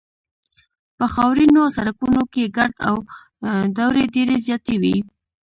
په خاورینو سړکونو کې ګرد او دوړې ډېرې زیاتې وې